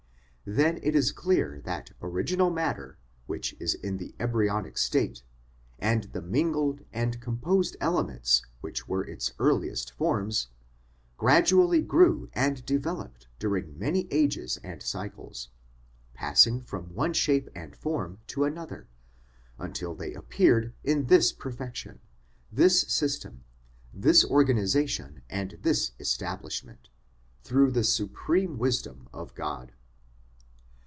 Then it is clear that original matter, which is in the embryonic state, and the mingled and composed elements which were its earliest forms, gradually grew and developed during many ages and cycles, passing from one shape and form to another, until they appeared in this perfection, this system, this organisa tion and this establishment, through the supreme wisdom of God.